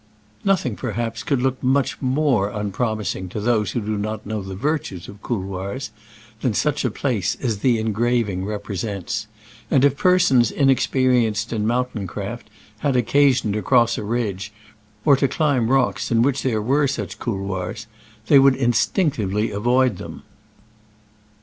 Nothing, perhaps, could look much more unpromising to those who do not know the virtues of couloirs than such a place as the engraving represents,^ and if persons inexperienced in moun tain craft had occasion to cross a ridge or to climb rocks in which there were such couloirs, they would instinctively avoid them.